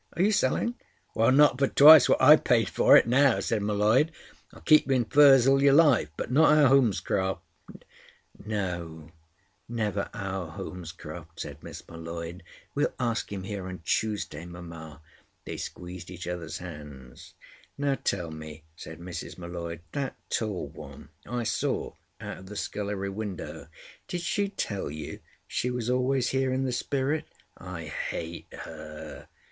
"Are you selling?" "Not for twice what I paid for it—now," said M'Leod. "I'll keep you in furs all your life, but not our Holmescroft." "No—never our Holmescroft," said Miss M'Leod. "We'll ask him here on Tuesday, mamma." They squeezed each other's hands. "Now tell me," said Mrs. M'Leod—"that tall one, I saw out of the scullery window—did she tell you she was always here in the spirit? I hate her.